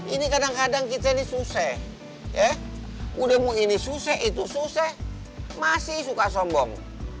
ini kadang kadang kita ini susih udah mau ini susih itu susih masih suka sombong